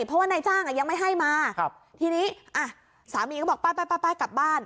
เพราะว่าในจ้างยังไม่ให้มาทีนี้สามีก็บอกไปไปไปกลับบ้าน